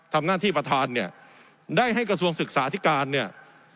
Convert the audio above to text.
ทำหน้าที่ประธานเนี่ยได้ให้กระทรวงศึกษาธิการเนี่ย